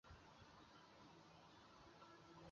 翅荚决明为豆科决明属下的一个种。